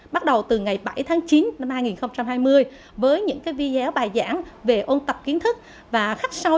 bắt đầu từ ngày bảy tháng chín năm hai nghìn hai mươi với những vi giáo bài giảng về ôn tập kiến thức và khắc sâu